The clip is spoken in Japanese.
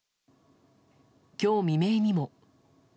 今日未明にも。